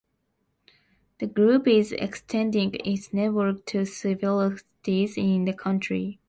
The Group is extending its network to several cities in the country.